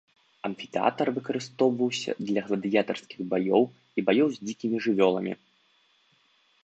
Амфітэатр выкарыстоўваўся для гладыятарскіх баёў і баёў з дзікімі жывёламі.